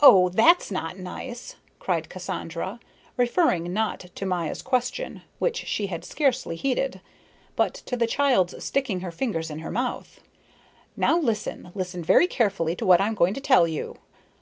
"Oh, that's not nice," cried Cassandra, referring not to Maya's question, which she had scarcely heeded, but to the child's sticking her fingers in her mouth. "Now, listen. Listen very carefully to what I am going to tell you.